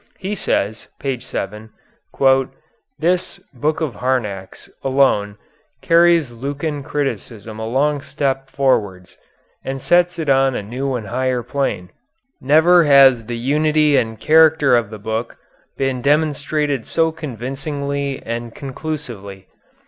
He says (p. 7): "This [book of Harnack's] alone carries Lukan criticism a long step forwards, and sets it on a new and higher plane. Never has the unity and character of the book been demonstrated so convincingly and conclusively.